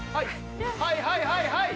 はいはいはいはい！